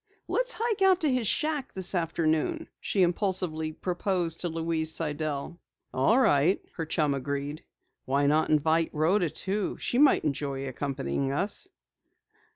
"Let's hike out to his shack this afternoon," she impulsively proposed to Louise Sidell. "All right," her chum agreed. "Why not invite Rhoda too? She might enjoy accompanying us."